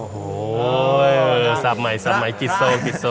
โอ้โหสับใหม่กิจโซ